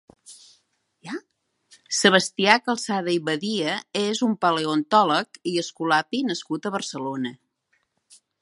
Sebastià Calzada i Badia és un paleontòlec i escolapi nascut a Barcelona.